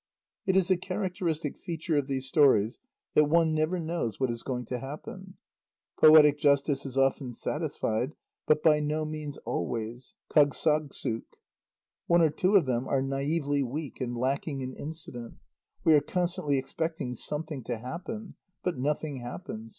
It is a characteristic feature of these stories that one never knows what is going to happen. Poetic justice is often satisfied, but by no means always (Kâgssagssuk). One or two of them are naïvely weak and lacking in incident; we are constantly expecting something to happen, but nothing happens